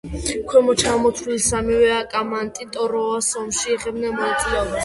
ქვემოთ ჩამოთვლილი სამივე აკამანტი ტროას ომში იღებდა მონაწილეობას.